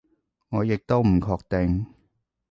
我亦都唔確定